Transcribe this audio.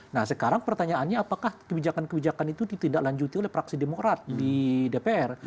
nah sekarang pertanyaannya apakah kebijakan kebijakan itu ditindaklanjuti oleh praksi demokrat di dpr